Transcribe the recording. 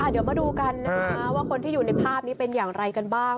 เดี๋ยวมาดูกันนะคะว่าคนที่อยู่ในภาพนี้เป็นอย่างไรกันบ้าง